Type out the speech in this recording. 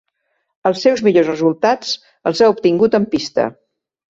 Els seus millors resultats els ha obtingut en pista.